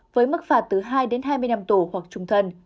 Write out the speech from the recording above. với mức phạt từ hai đến hai mươi năm tù hoặc trung thân